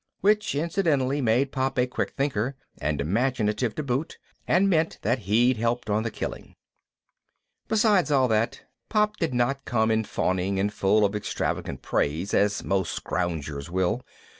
Which incidentally made Pop a quick thinker and imaginative to boot, and meant that he'd helped on the killing. Besides all that, Pop did not come in fawning and full of extravagant praise, as most scroungers will.